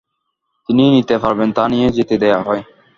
তিনি নিতে পারবেন তা নিয়ে যেতে দেয়া হয়।